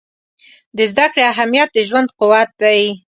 د زده کړې اهمیت د ژوند قوت دی.